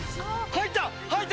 入った！